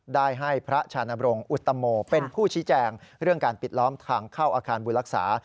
ได้ให้พระชานบรงอุตโมเป็นผู้ชี้แจงเรื่องการปิดล้อมทางเข้าอาคารบุรักษา